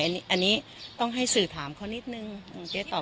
อันนี้อันนี้ต้องให้สื่อถามเขานิดหนึ่งอืมเจ๊ตอบ